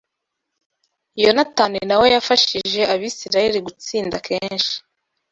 Yonatani na we yafashije Abisirayeli gutsinda kenshi